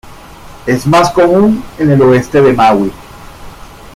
Es más común en el oeste de Maui.